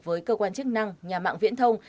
với cơ quan chức năng nhà mạng viễn thông